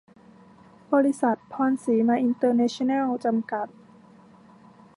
บริษัท พรสีมาอินเตอร์เนชั่นแนล จำกัด